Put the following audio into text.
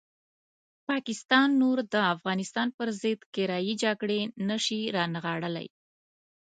پاکستان نور د افغانستان پرضد کرایي جګړې نه شي رانغاړلی.